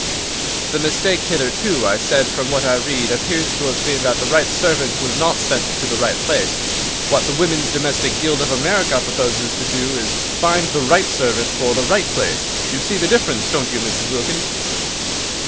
"The mistake hitherto," I said, "from what I read, appears to have been that the right servant was not sent to the right place. What the Women's Domestic Guild of America proposes to do is to find the right servant for the right place. You see the difference, don't you, Mrs. Wilkins?"